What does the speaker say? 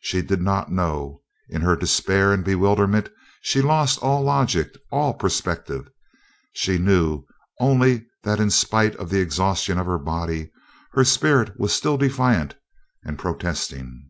She did not know; in her despair and bewilderment she lost all logic, all perspective; she knew only that in spite of the exhaustion of her body her spirit was still defiant and protesting.